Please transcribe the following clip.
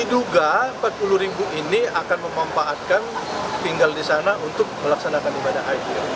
diduga empat puluh ribu ini akan memanfaatkan tinggal di sana untuk melaksanakan ibadah haji